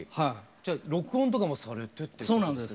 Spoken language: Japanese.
じゃ録音とかもされてってことですか？